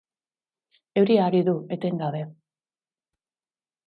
Euria ari du etengabe.